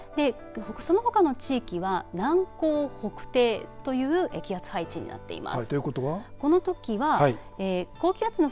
そのほかの地域は南高北低という気圧配置になっています。